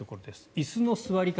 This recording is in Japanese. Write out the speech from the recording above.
椅子の座り方。